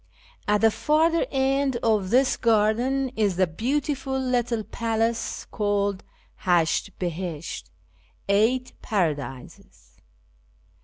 At the farther end of this garden is the beautiful little palace called Ilasht Bihisht (" Eight Paradises